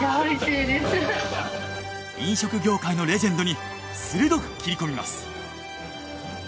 飲食業界のレジェンドに鋭く斬り込みます。